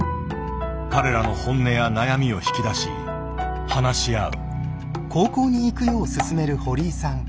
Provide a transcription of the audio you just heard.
彼らの本音や悩みを引き出し話し合う。